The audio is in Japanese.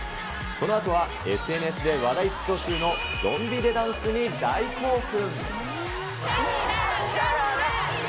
このあとは、ＳＮＳで話題沸騰中のゾンビ・デ・ダンスに大興奮。